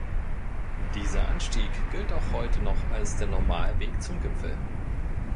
Dieser Anstieg gilt auch heute noch als der Normalweg zum Gipfel.